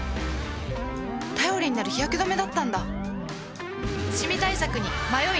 頼りになる日焼け止めだったんだ